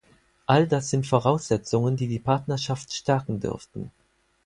All das sind Voraussetzungen, die die Partnerschaft stärken dürften.